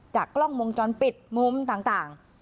กล้องวงจรปิดมุมต่าง